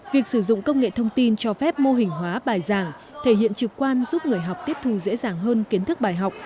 việc sử dụng công nghệ thông tin cho phép mô hình hóa bài giảng thể hiện trực quan giúp người học tiếp thu dễ dàng hơn kiến thức bài học